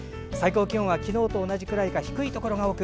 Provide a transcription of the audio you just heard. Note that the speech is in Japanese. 最高気温は昨日と同じくらいか低いところが